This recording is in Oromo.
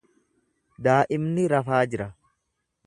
Daa’imni rafaa jira.